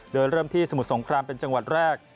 โดยเริ่มที่สมุทรสงครามเป็นจังหวัดแรก